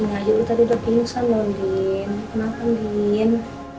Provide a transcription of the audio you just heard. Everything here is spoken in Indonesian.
ini aja gue tadi udah pingsan lho din kenapa din